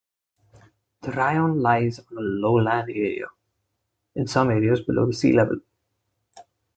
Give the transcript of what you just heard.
The raion lies on a lowland area, in some areas below the sea level.